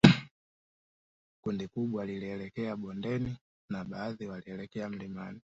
Kundi kubwa lilielekea bondeni na baadhi walielekea milimani